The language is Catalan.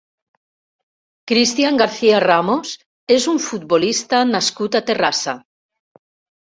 Cristian García Ramos és un futbolista nascut a Terrassa.